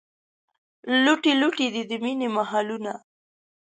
لوټې لوټې دي، د مینې محلونه